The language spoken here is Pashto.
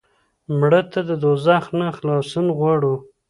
مړه ته د دوزخ نه خلاصون غواړو